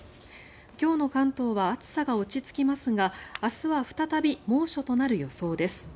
今日の関東は暑さが落ち着きますが明日は再び猛暑となる予想です。